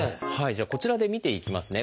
じゃあこちらで見ていきますね。